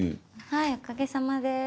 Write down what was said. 「はいおかげさまで」。